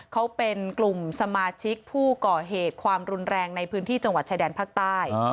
เขาเป็นกลุ่มสมาชิกผู้ก่อเหตุความรุนแรงในพื้นที่จังหวัดชายแดนภาคใต้